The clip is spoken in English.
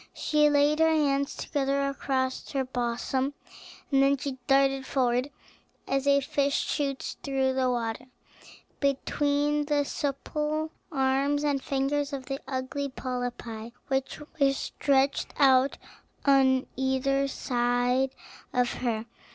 She laid her hands together across her bosom, and then she darted forward as a fish shoots through the water, between the supple arms and fingers of the ugly polypi, which were stretched out on each side of her.